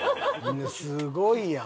すごいやん。